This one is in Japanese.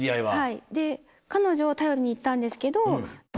彼女を頼りに行ったんですけど。